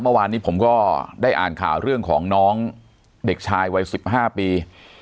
เมื่อวานนี้ผมก็ได้อ่านข่าวเรื่องของน้องเด็กชายวัย๑๕ปี